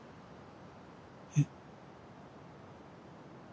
えっ。